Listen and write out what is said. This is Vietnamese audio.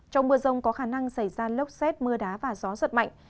trong mưa rông có khả năng xảy ra lốc xét mưa đá và gió giật mạnh